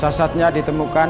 co sasarnya ditemukan